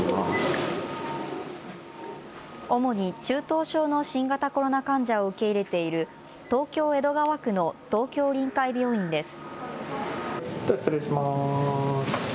主に中等症の新型コロナ患者を受け入れている東京・江戸川区の東京臨海病院です。